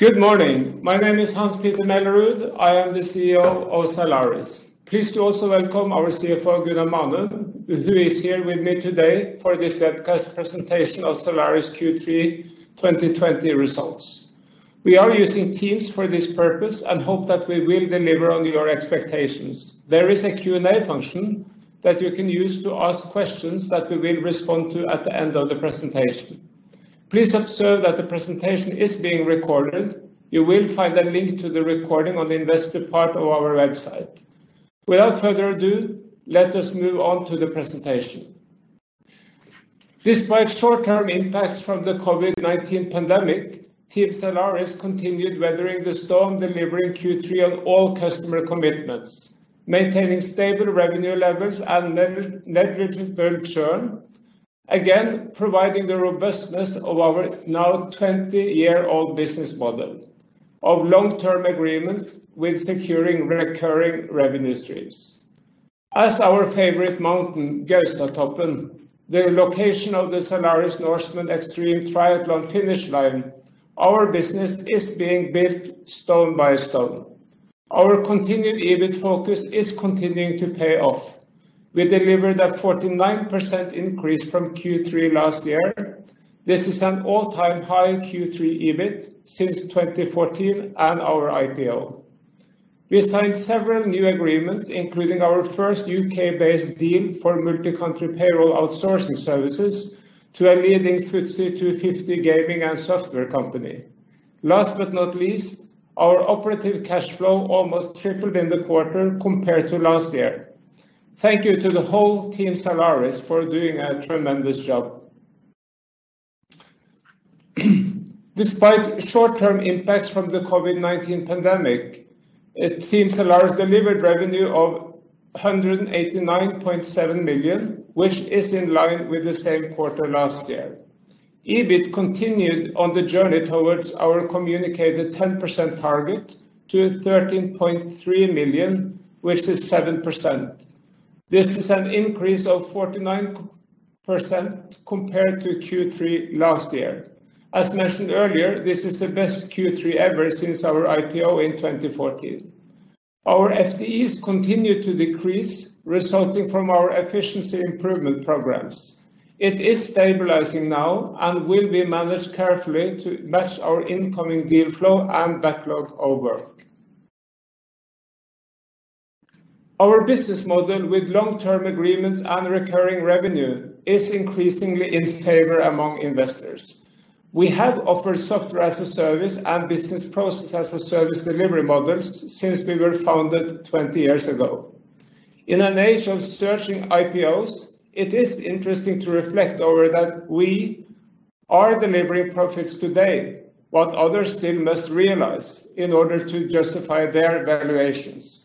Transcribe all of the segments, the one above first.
Good morning. My name is Hans-Petter Mellerud. I am the Chief Executive Officer of Zalaris. Please do also welcome our Chief Financial Officer, Gunnar Manum, who is here with me today for this webcast presentation of Zalaris Q3 2020 results. We are using Teams for this purpose and hope that we will deliver on your expectations. There is a Q&A function that you can use to ask questions that we will respond to at the end of the presentation. Please observe that the presentation is being recorded. You will find a link to the recording on the investor part of our website. Without further ado, let us move on to the presentation. Despite short-term impacts from the COVID-19 pandemic, team Zalaris continued weathering the storm, delivering Q3 on all customer commitments, maintaining stable revenue levels and negligible churn, again, providing the robustness of our now 20-year-old business model of long-term agreements with securing recurring revenue streams. As our favorite mountain, Gaustatoppen, the location of the Zalaris Norseman Xtreme Triathlon finish line, our business is being built stone by stone. Our continued EBIT focus is continuing to pay off. We delivered a 49% increase from Q3 last year. This is an all-time high Q3 EBIT since 2014 and our IPO. We signed several new agreements, including our first U.K.-based deal for multi-country payroll outsourcing services to a leading FTSE 250 gaming and software company. Last but not least, our operative cash flow almost tripled in the quarter compared to last year. Thank you to the whole team Zalaris for doing a tremendous job. Despite short-term impacts from the COVID-19 pandemic, team Zalaris delivered revenue of 189.7 million, which is in line with the same quarter last year. EBIT continued on the journey towards our communicated 10% target to 13.3 million, which is 7%. This is an increase of 49% compared to Q3 last year. As mentioned earlier, this is the best Q3 ever since our IPO in 2014. Our FTEs continued to decrease, resulting from our efficiency improvement programs. It is stabilizing now and will be managed carefully to match our incoming deal flow and backlog of work. Our business model with long-term agreements and recurring revenue is increasingly in favor among investors. We have offered software-as-a-service and business process-as-a-service delivery models since we were founded 20 years ago. In an age of surging IPOs, it is interesting to reflect over that we are delivering profits today, what others still must realize in order to justify their valuations.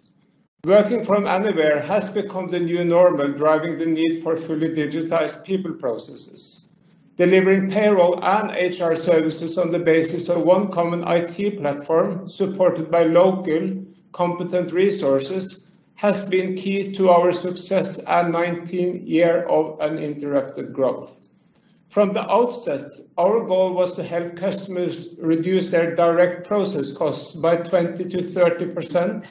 Working from anywhere has become the new normal, driving the need for fully digitized people processes. Delivering payroll and HR services on the basis of one common IT platform, supported by local competent resources, has been key to our success and 19th year of uninterrupted growth. From the outset, our goal was to help customers reduce their direct process costs by 20% to 30%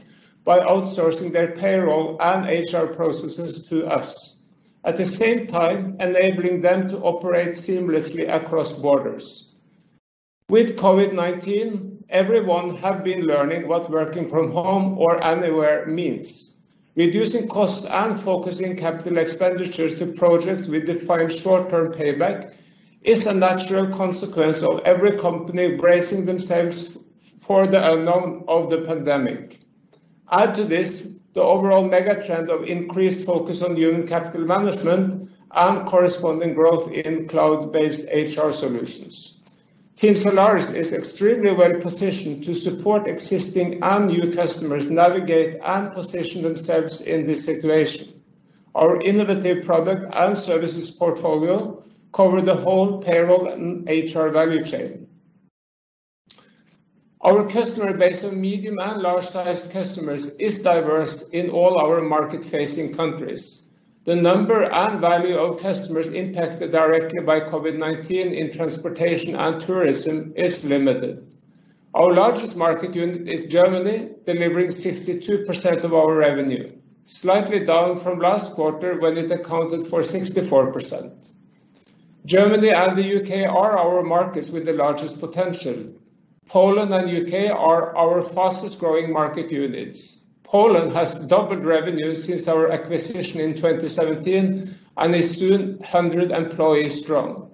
by outsourcing their payroll and HR processes to us, at the same time enabling them to operate seamlessly across borders. With COVID-19, everyone have been learning what working from home or anywhere means. Reducing costs and focusing capital expenditures to projects with defined short-term payback is a natural consequence of every company bracing themselves for the unknown of the pandemic. Add to this, the overall mega trend of increased focus on human capital management and corresponding growth in cloud-based HR solutions. Team Zalaris is extremely well-positioned to support existing and new customers navigate and position themselves in this situation. Our innovative product and services portfolio cover the whole payroll and HR value chain. Our customer base of medium and large-sized customers is diverse in all our market-facing countries. The number and value of customers impacted directly by COVID-19 in transportation and tourism is limited. Our largest market unit is Germany, delivering 62% of our revenue, slightly down from last quarter when it accounted for 64%. Germany and the U.K. are our markets with the largest potential. Poland and U.K. are our fastest-growing market units. Poland has doubled revenue since our acquisition in 2017 and is soon 100 employees strong.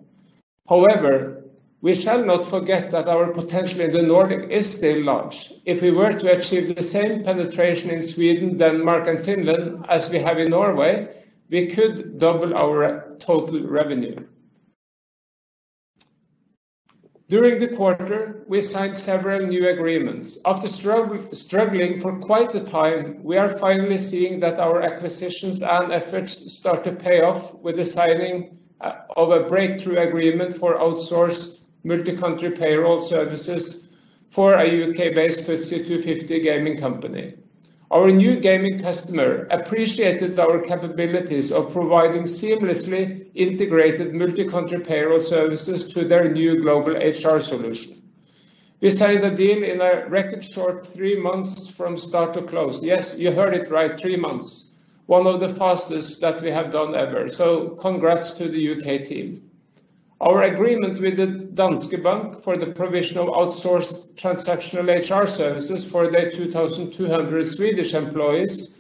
We shall not forget that our potential in the Nordic is still large. If we were to achieve the same penetration in Sweden, Denmark, and Finland as we have in Norway, we could double our total revenue. During the quarter, we signed several new agreements. After struggling for quite a time, we are finally seeing that our acquisitions and efforts start to pay off with the signing of a breakthrough agreement for outsourced multi-country payroll services for a U.K.-based FTSE 250 gaming company. Our new gaming customer appreciated our capabilities of providing seamlessly integrated multi-country payroll services to their new global HR solution. We signed a deal in a record short three months from start to close. Yes, you heard it right, three months. One of the fastest that we have done ever. Congrats to the U.K. team. Our agreement with Danske Bank for the provision of outsourced transactional HR services for their 2,200 Swedish employees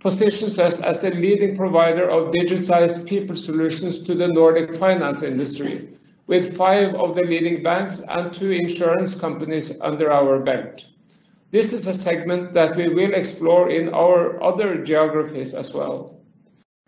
positions us as the leading provider of digitized people solutions to the Nordic finance industry, with five of the leading banks and two insurance companies under our belt. This is a segment that we will explore in our other geographies as well.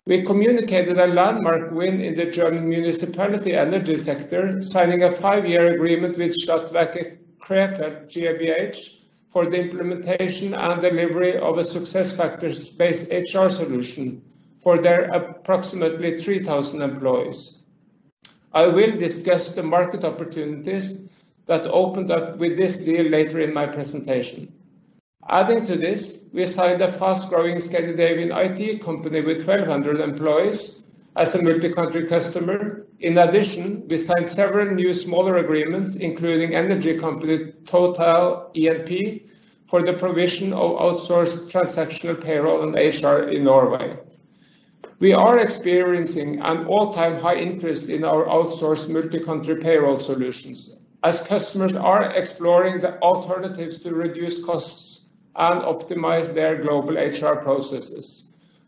We communicated a landmark win in the German municipality energy sector, signing a five-year agreement with Stadtwerke Krefeld GmbH for the implementation and delivery of a SuccessFactors-based HR solution for their approximately 3,000 employees. I will discuss the market opportunities that opened up with this deal later in my presentation. Adding to this, we signed a fast-growing Scandinavian IT company with 1,200 employees as a multi-country customer. In addition, we signed several new smaller agreements including energy company Total E&P for the provision of outsourced transactional payroll and HR in Norway. We are experiencing an all-time high interest in our outsourced multi-country payroll solutions, as customers are exploring the alternatives to reduce costs and optimize their global HR processes.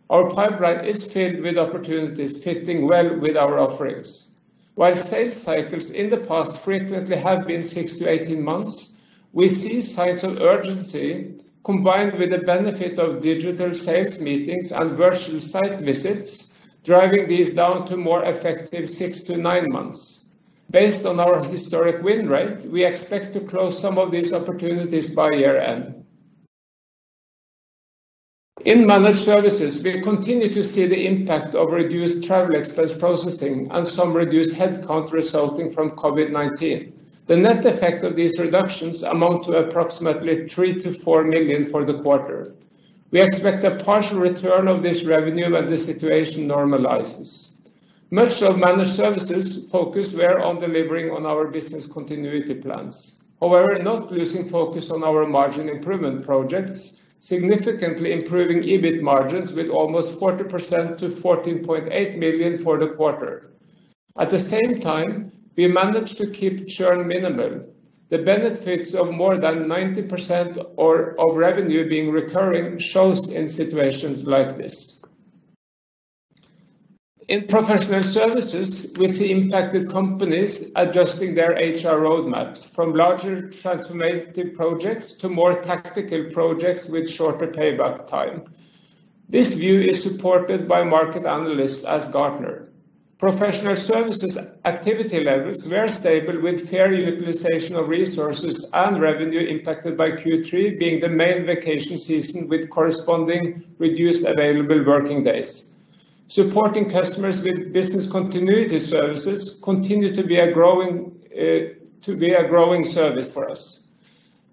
Our pipeline is filled with opportunities fitting well with our offerings. While sales cycles in the past frequently have been 6-18 months, we see signs of urgency combined with the benefit of digital sales meetings and virtual site visits driving these down to more effective six to nine months. Based on our historic win rate, we expect to close some of these opportunities by year-end. In managed services, we continue to see the impact of reduced travel expense processing and some reduced headcount resulting from COVID-19. The net effect of these reductions amount to approximately 3 million-4 million for the quarter. We expect a partial return of this revenue when the situation normalizes. Much of managed services focus were on delivering on our business continuity plans. Not losing focus on our margin improvement projects, significantly improving EBIT margins with almost 40% to 14.8 million for the quarter. At the same time, we managed to keep churn minimal. The benefits of more than 90% of revenue being recurring shows in situations like this. In professional services, we see impacted companies adjusting their HR roadmaps from larger transformative projects to more tactical projects with shorter payback time. This view is supported by market analysts as Gartner. Professional services activity levels were stable with fair utilization of resources and revenue impacted by Q3 being the main vacation season with corresponding reduced available working days. Supporting customers with business continuity services continue to be a growing service for us.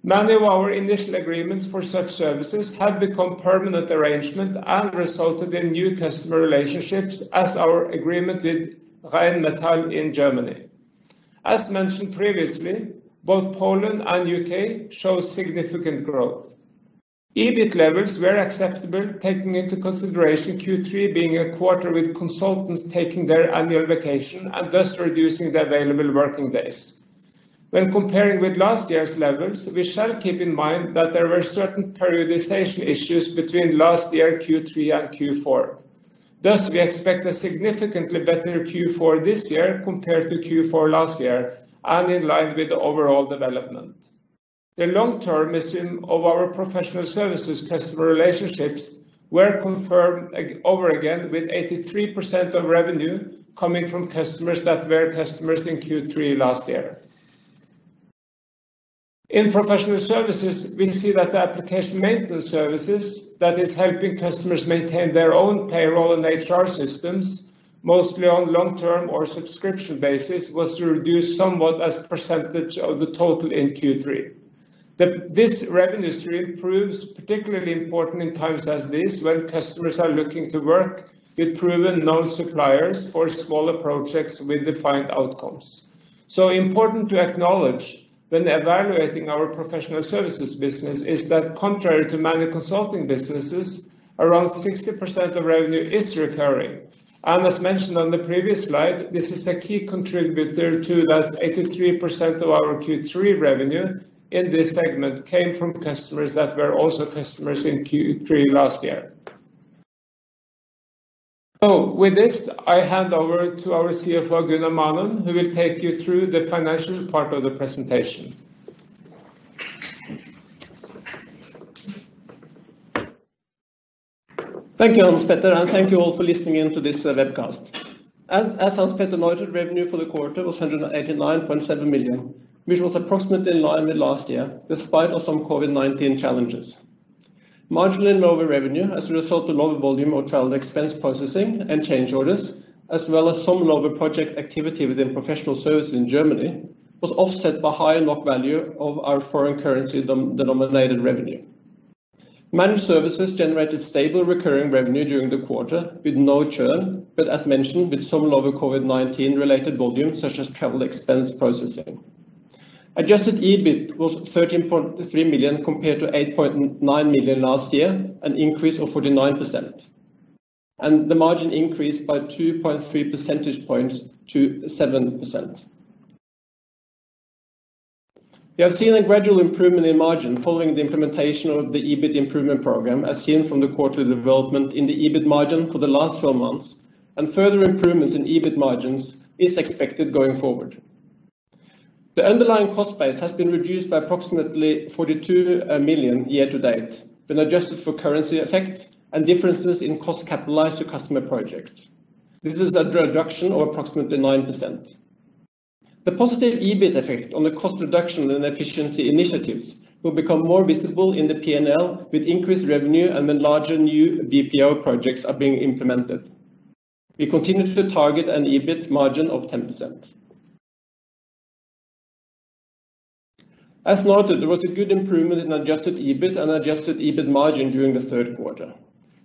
Many of our initial agreements for such services have become permanent arrangement and resulted in new customer relationships as our agreement with Rheinmetall in Germany. As mentioned previously, both Poland and U.K. show significant growth. EBIT levels were acceptable taking into consideration Q3 being a quarter with consultants taking their annual vacation and thus reducing the available working days. When comparing with last year's levels, we shall keep in mind that there were certain periodization issues between last year Q3 and Q4. Thus, we expect a significantly better Q4 this year compared to Q4 last year and in line with the overall development. The long-termism of our professional services customer relationships were confirmed over again with 83% of revenue coming from customers that were customers in Q3 last year. In professional services, we see that the application maintenance services that is helping customers maintain their own payroll and HR systems, mostly on long-term or subscription basis, was reduced somewhat as percentage of the total in Q3. This revenue stream proves particularly important in times as these when customers are looking to work with proven known suppliers for smaller projects with defined outcomes. Important to acknowledge when evaluating our professional services business is that contrary to many consulting businesses, around 60% of revenue is recurring. As mentioned on the previous slide, this is a key contributor to that 83% of our Q3 revenue in this segment came from customers that were also customers in Q3 last year. With this, I hand over to our Chief Financial Officer, Gunnar Manum, who will take you through the financial part of the presentation. Thank you, Hans-Petter, and thank you all for listening in to this webcast. As Hans-Petter noted, revenue for the quarter was 189.7 million, which was approximately in line with last year, despite of some COVID-19 challenges. Marginally lower revenue as a result of lower volume of travel expense processing and change orders, as well as some lower project activity within professional services in Germany. Was offset by higher NOK value of our foreign currency denominated revenue. Managed services generated stable recurring revenue during the quarter with no churn, but as mentioned, with some lower COVID-19 related volume such as travel expense processing. Adjusted EBIT was 13.3 million compared to 8.9 million last year, an increase of 49%. The margin increased by 2.3 percentage points to 7%. We have seen a gradual improvement in margin following the implementation of the EBIT improvement program, as seen from the quarter development in the EBIT margin for the last 12 months, and further improvements in EBIT margins is expected going forward. The underlying cost base has been reduced by approximately 42 million year-to-date, when adjusted for currency effect and differences in cost capitalized to customer project. This is a reduction of approximately 9%. The positive EBIT effect on the cost reduction and efficiency initiatives will become more visible in the P&L with increased revenue and when larger new BPO projects are being implemented. We continue to target an EBIT margin of 10%. As noted, there was a good improvement in adjusted EBIT and adjusted EBIT margin during the third quarter.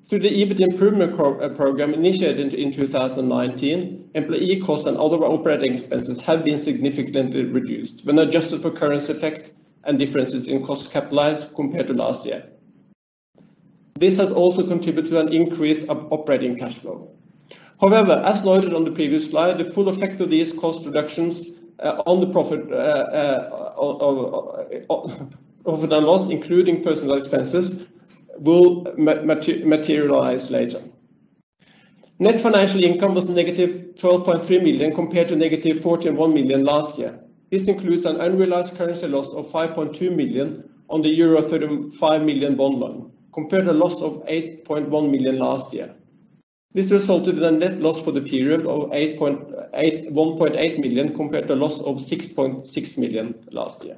Through the EBIT improvement program initiated in 2019, employee costs and other operating expenses have been significantly reduced when adjusted for currency effect and differences in cost capitalized compared to last year. This has also contributed to an increase of operating cash flow. However, as noted on the previous slide, the full effect of these cost reductions on the profit over the months, including personal expenses, will materialize later. Net financial income was -12.3 million compared to -41 million last year. This includes an unrealized currency loss of 5.2 million on the euro 35 million bond loan, compared to a loss of 8.1 million last year. This resulted in a net loss for the period of 1.8 million compared to a loss of 6.6 million last year.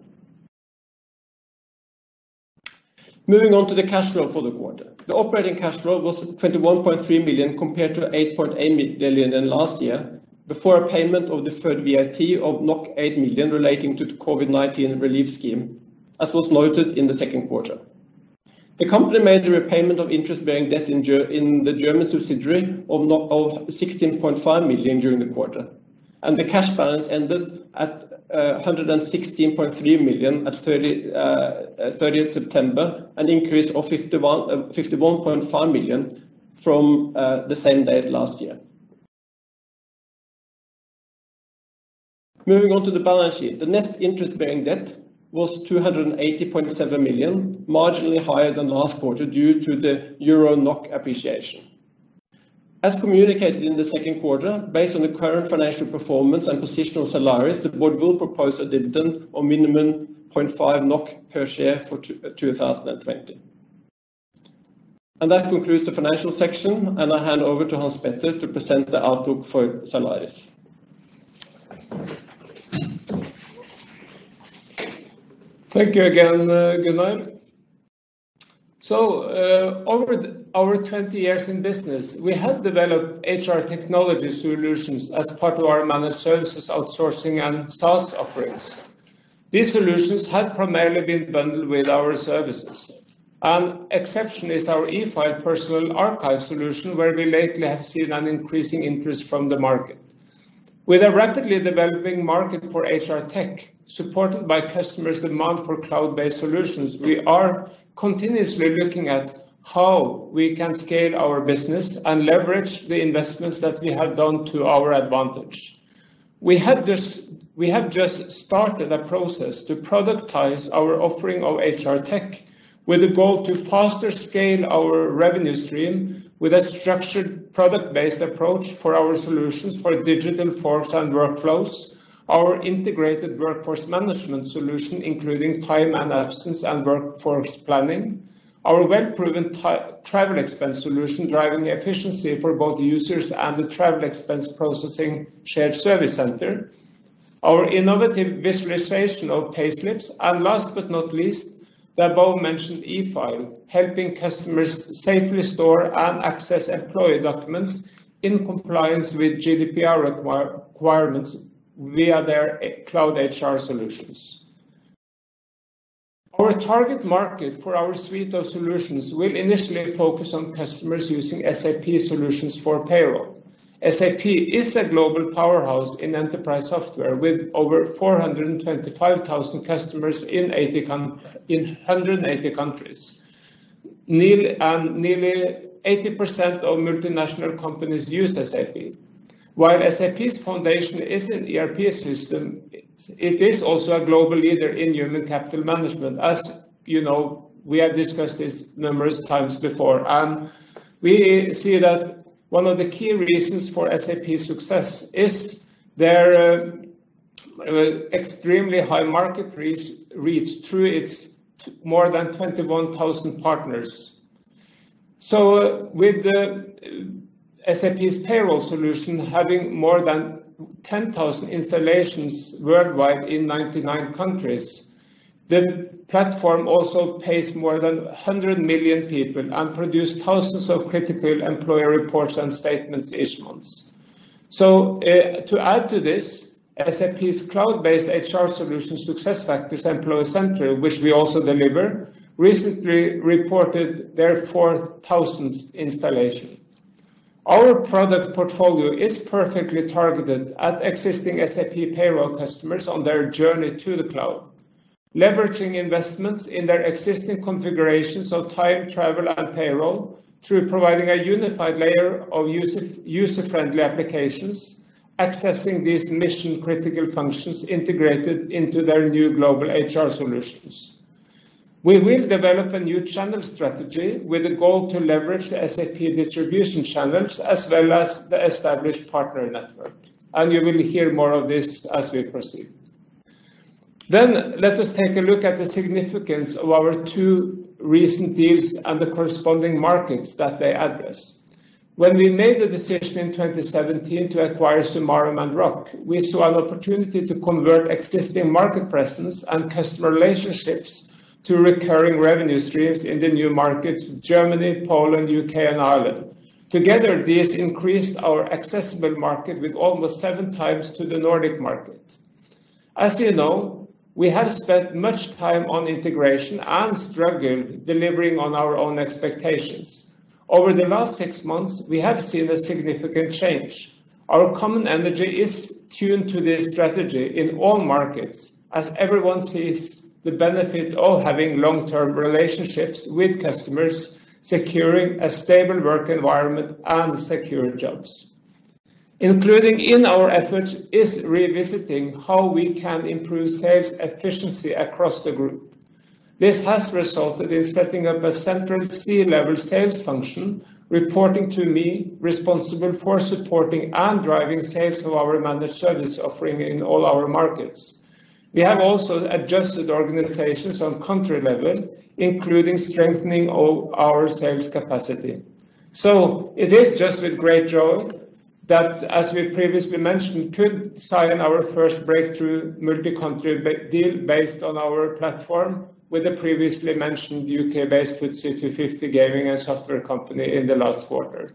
Moving on to the cash flow for the quarter. The operating cash flow was 21.3 million compared to 8.8 million last year before a payment of deferred VAT of 8 million relating to the COVID-19 relief scheme, as was noted in the second quarter. The company made the repayment of interest-bearing debt in the German subsidiary of 16.5 million during the quarter, and the cash balance ended at 116.3 million at 30 September, an increase of 51.5 million from the same date last year. Moving on to the balance sheet. The net interest bearing debt was 280.7 million, marginally higher than last quarter due to the euro-NOK appreciation. As communicated in the second quarter, based on the current financial performance and position of Zalaris, the board will propose a dividend of minimum 0.5 NOK per share for 2020. That concludes the financial section, and I hand over to Hans-Petter to present the outlook for Zalaris. Thank you again, Gunnar. Over 20 years in business, we have developed HR technology solutions as part of our managed services outsourcing and SaaS offerings. These solutions have primarily been bundled with our services. An exception is our eFile personal archive solution, where we lately have seen an increasing interest from the market. With a rapidly developing market for HR tech, supported by customers' demand for cloud-based solutions, we are continuously looking at how we can scale our business and leverage the investments that we have done to our advantage. We have just started a process to productize our offering of HR tech with a goal to faster scale our revenue stream with a structured product-based approach for our solutions for digital forms and workflows, our integrated workforce management solution including time and absence and workforce planning, our well-proven travel expense solution driving efficiency for both users and the travel expense processing shared service center, our innovative visualization of payslips, and last but not least, the above-mentioned eFile, helping customers safely store and access employee documents in compliance with GDPR requirements via their cloud HR solutions. Our target market for our suite of solutions will initially focus on customers using SAP solutions for payroll. SAP is a global powerhouse in enterprise software with over 425,000 customers in 180 countries. Nearly 80% of multinational companies use SAP. While SAP's foundation is an ERP system, it is also a global leader in human capital management. As you know, we have discussed this numerous times before. We see that one of the key reasons for SAP's success is their extremely high market reach through its more than 21,000 partners. With SAP's payroll solution having more than 10,000 installations worldwide in 99 countries. The platform also pays more than 100 million people and produce thousands of critical employee reports and statements each month. To add to this, SAP's cloud-based HR solution SuccessFactors Employee Central, which we also deliver, recently reported their 4,000th installation. Our product portfolio is perfectly targeted at existing SAP payroll customers on their journey to the cloud, leveraging investments in their existing configurations of time, travel, and payroll through providing a unified layer of user-friendly applications, accessing these mission-critical functions integrated into their new global HR solutions. We will develop a new channel strategy with a goal to leverage the SAP distribution channels as well as the established partner network. You will hear more of this as we proceed. Let us take a look at the significance of our two recent deals and the corresponding markets that they address. When we made the decision in 2017 to acquire sumarum and ROC, we saw an opportunity to convert existing market presence and customer relationships to recurring revenue streams in the new markets, Germany, Poland, U.K., and Ireland. Together, these increased our accessible market with almost seven times to the Nordic market. As you know, we have spent much time on integration and struggled delivering on our own expectations. Over the last six months, we have seen a significant change. Our common energy is tuned to this strategy in all markets, as everyone sees the benefit of having long-term relationships with customers, securing a stable work environment and secure jobs. Including in our efforts is revisiting how we can improve sales efficiency across the group. This has resulted in setting up a central C-level sales function, reporting to me, responsible for supporting and driving sales of our managed services offering in all our markets. We have also adjusted organizations on country level, including strengthening of our sales capacity. It is just with great joy that, as we previously mentioned, could sign our first breakthrough multi-country deal based on our platform with the previously mentioned U.K.-based FTSE 250 gaming and software company in the last quarter.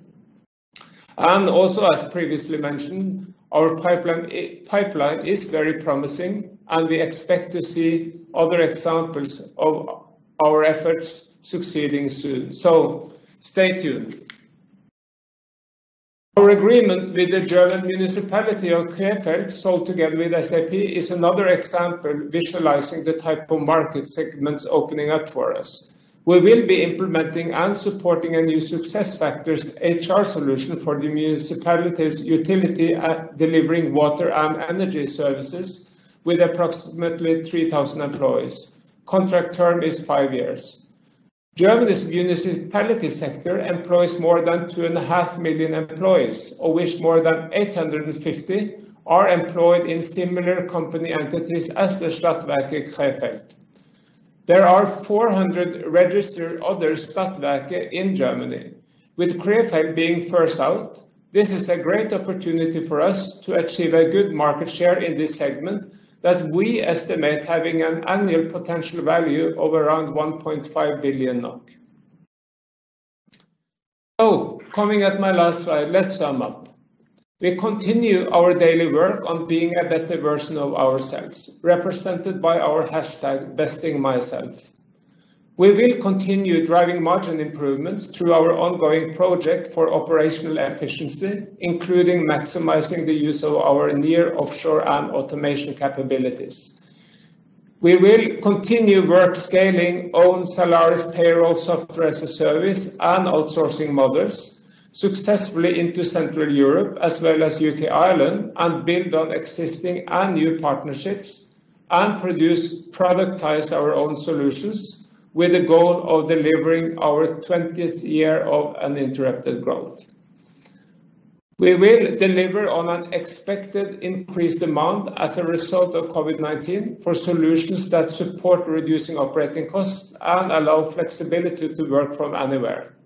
Also, as previously mentioned, our pipeline is very promising, and we expect to see other examples of our efforts succeeding soon. Stay tuned. Our agreement with the German municipality of Krefeld, sold together with SAP, is another example visualizing the type of market segments opening up for us. We will be implementing and supporting a new SuccessFactors HR solution for the municipality's utility at delivering water and energy services with approximately 3,000 employees. Contract term is five years. Germany's municipality sector employs more than 2.5 million employees, of which more than 850 are employed in similar company entities as the Stadtwerke Krefeld. There are 400 registered other Stadtwerke in Germany, with Krefeld being first out. This is a great opportunity for us to achieve a good market share in this segment that we estimate having an annual potential value of around 1.5 billion NOK. Coming at my last slide, let's sum up. We continue our daily work on being a better version of ourselves, represented by our hashtag #BestingMyself. We will continue driving margin improvements through our ongoing project for operational efficiency, including maximizing the use of our nearshore and automation capabilities. We will continue work scaling own Zalaris payroll software as a service and outsourcing models successfully into Central Europe as well as U.K., Ireland, and build on existing and new partnerships and produce productize our own solutions with the goal of delivering our 20th year of uninterrupted growth. We will deliver on an expected increased demand as a result of COVID-19 for solutions that support reducing operating costs and allow flexibility to work from anywhere.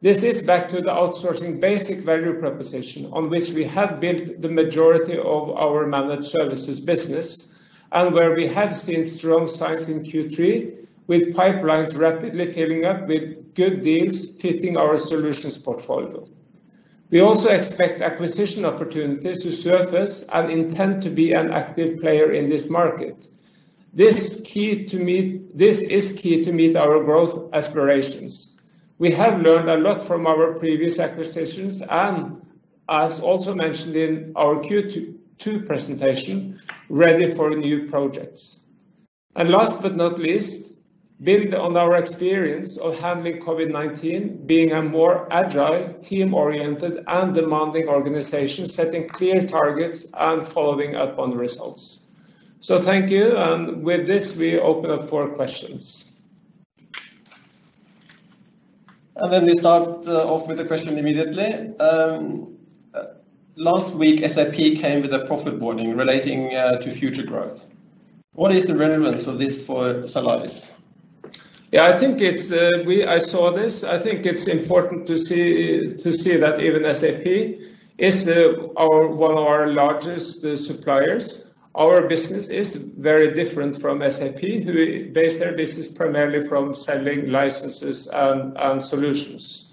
This is back to the outsourcing basic value proposition on which we have built the majority of our managed services business and where we have seen strong signs in Q3 with pipelines rapidly filling up with good deals fitting our solutions portfolio. We also expect acquisition opportunities to surface and intend to be an active player in this market. This is key to meet our growth aspirations. We have learned a lot from our previous acquisitions and as also mentioned in our Q2 presentation, ready for new projects. Last but not least, build on our experience of handling COVID-19, being a more agile, team-oriented, and demanding organization, setting clear targets and following up on results. Thank you, and with this, we open up for questions. We start off with a question immediately. Last week, SAP came with a profit warning relating to future growth. What is the relevance of this for Zalaris? Yeah, I saw this. I think it's important to see that even SAP is one of our largest suppliers. Our business is very different from SAP, who base their business primarily from selling licenses and solutions.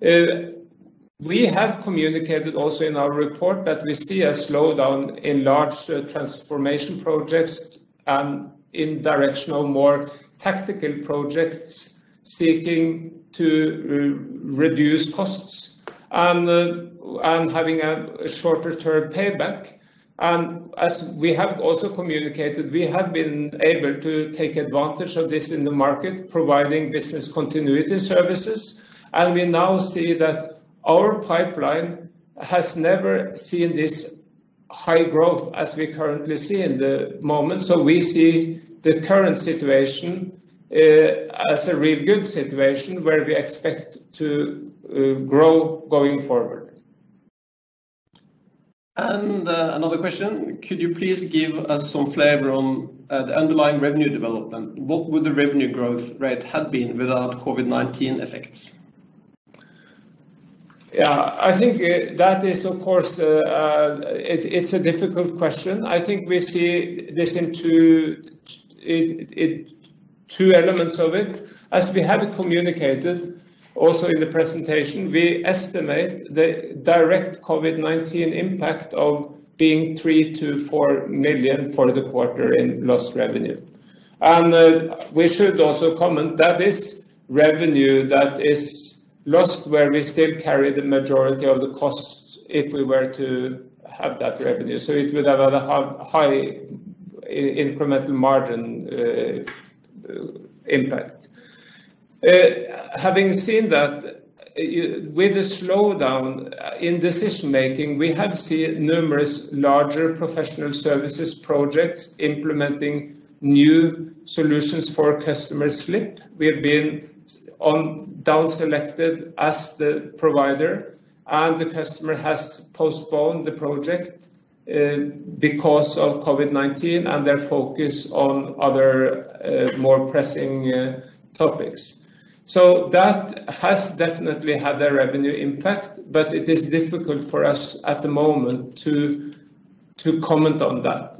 We have communicated also in our report that we see a slowdown in large transformation projects and in direction of more tactical projects seeking to reduce costs and having a shorter-term payback. As we have also communicated, we have been able to take advantage of this in the market, providing business continuity services, and we now see that our pipeline has never seen this high growth as we currently see in the moment. We see the current situation as a real good situation where we expect to grow going forward. Another question, could you please give us some flavor on the underlying revenue development? What would the revenue growth rate have been without COVID-19 effects? I think that is, of course, a difficult question. I think we see two elements of it. As we have communicated also in the presentation, we estimate the direct COVID-19 impact of being 3 million-4 million for the quarter in lost revenue. We should also comment, that is revenue that is lost where we still carry the majority of the costs if we were to have that revenue. It would have a high incremental margin impact. Having seen that, with the slowdown in decision-making, we have seen numerous larger professional services projects implementing new solutions for customers slip. We have been down-selected as the provider, and the customer has postponed the project because of COVID-19 and their focus on other, more pressing topics. That has definitely had a revenue impact, but it is difficult for us at the moment to comment on that.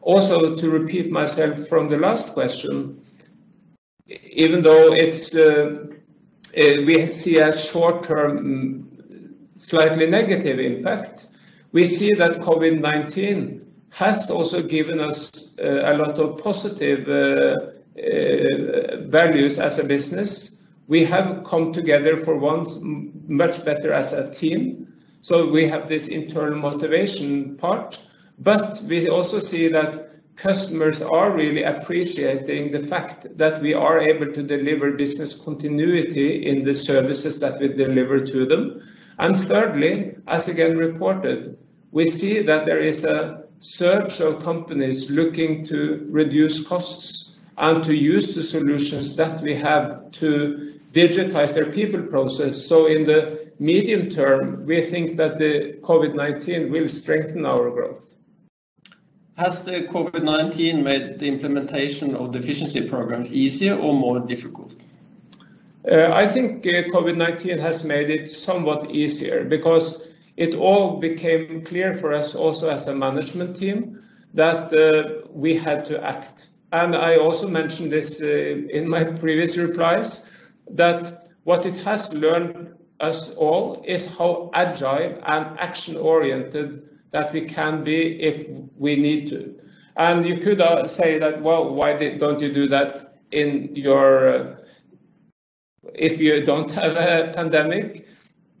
Also to repeat myself from the last question, even though we see a short-term slightly negative impact, we see that COVID-19 has also given us a lot of positive values as a business. We have come together for once much better as a team. We have this internal motivation part, but we also see that customers are really appreciating the fact that we are able to deliver business continuity in the services that we deliver to them. Thirdly, as again reported, we see that there is a search of companies looking to reduce costs and to use the solutions that we have to digitize their people process. In the medium term, we think that the COVID-19 will strengthen our growth. Has the COVID-19 made the implementation of the efficiency programs easier or more difficult? I think COVID-19 has made it somewhat easier because it all became clear for us also as a management team that we had to act. I also mentioned this in my previous replies, that what it has taught us all is how agile and action-oriented that we can be if we need to. You could say that, "Well, why don't you do that if you don't have a pandemic?"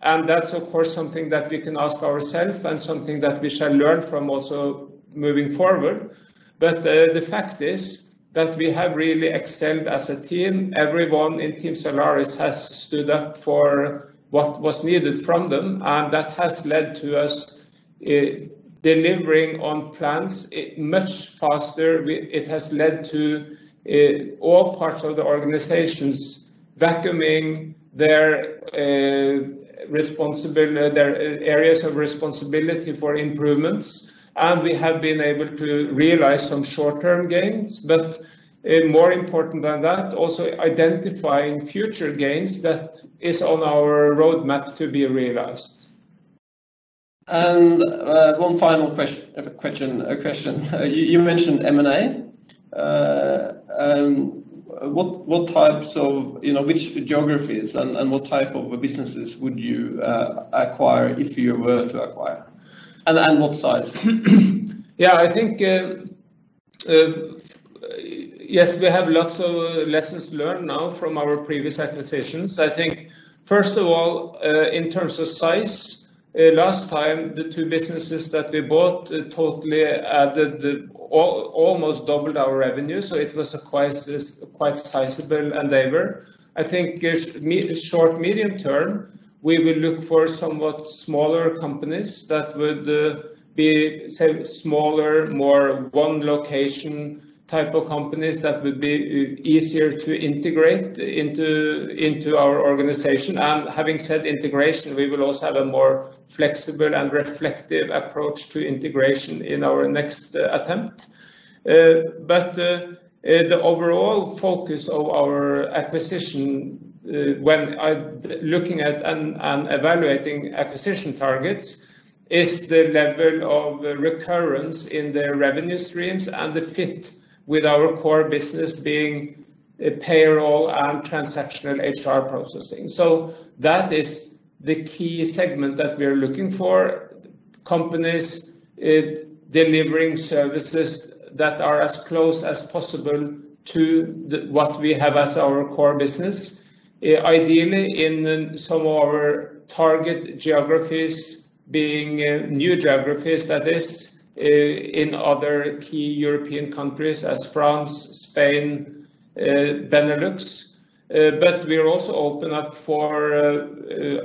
That's of course, something that we can ask ourselves and something that we shall learn from also moving forward. The fact is that we have really excelled as a team. Everyone in team Zalaris has stood up for what was needed from them, and that has led to us delivering on plans much faster. It has led to all parts of the organizations vacuuming their areas of responsibility for improvements, and we have been able to realize some short-term gains. More important than that, also identifying future gains that is on our roadmap to be realized. One final question. You mentioned M&A. Which geographies and what type of businesses would you acquire if you were to acquire? What size? Yeah. We have lots of lessons learned now from our previous acquisitions. I think first of all, in terms of size, last time the two businesses that we bought totally almost doubled our revenue, so it was a quite sizable endeavor. I think short-medium term, we will look for somewhat smaller companies that would be smaller, more one location type of companies that would be easier to integrate into our organization. Having said integration, we will also have a more flexible and reflective approach to integration in our next attempt. The overall focus of our acquisition when looking at and evaluating acquisition targets is the level of recurrence in their revenue streams and the fit with our core business being payroll and transactional HR processing. That is the key segment that we are looking for. Companies delivering services that are as close as possible to what we have as our core business. Ideally in some of our target geographies being new geographies that is in other key European countries as France, Spain, Benelux. We are also open up for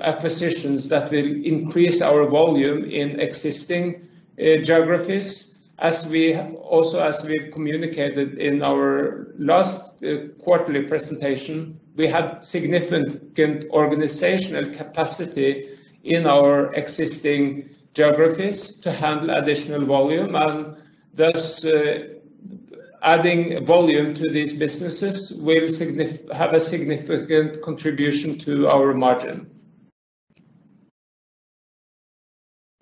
acquisitions that will increase our volume in existing geographies. As we've communicated in our last quarterly presentation, we have significant organizational capacity in our existing geographies to handle additional volume, and thus adding volume to these businesses will have a significant contribution to our margin.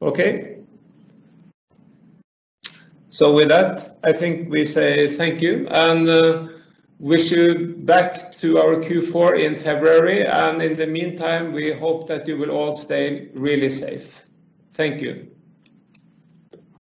Okay. With that, I think we say thank you and wish you back to our Q4 in February. In the meantime, we hope that you will all stay really safe. Thank you.